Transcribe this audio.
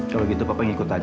kalau gitu papa yang ikut aja